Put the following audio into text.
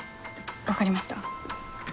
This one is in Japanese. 分かりました。